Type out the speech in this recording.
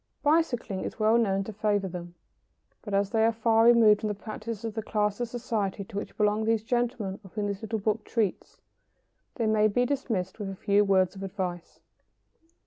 Bicycling is well known to favour them. But as they are far removed from the practices of the class of society to which belong those gentlemen of whom this little book treats, they may be dismissed with a few words of advice.